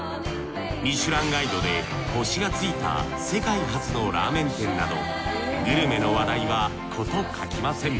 ミシュランガイドで星が付いた世界初のラーメン店などグルメの話題は事欠きません。